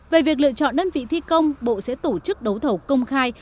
về việc lựa chọn đơn vị thi công bộ sẽ tổ chức đấu thầu công khai